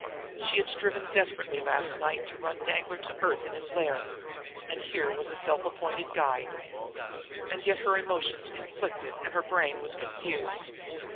She had striven desperately last night to run Danglar to earth in his lair. And here was a self appointed guide! And yet her emotions conflicted and her brain was confused.